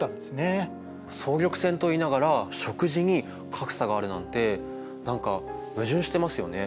総力戦といいながら食事に格差があるなんて何か矛盾してますよね。